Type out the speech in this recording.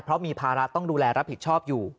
เพราะมีภาระต้องดูแลรับผิดชอบอยู่